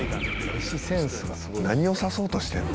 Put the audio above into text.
何をさせようとしてんの？